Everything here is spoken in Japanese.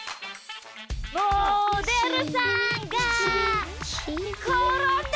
モデルさんがころんだ！